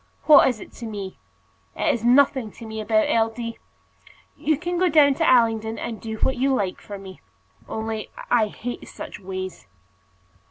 What is it to me? It is nothing to me about L. D. You can go down to Allington and do what you like for me. Only I hate such ways."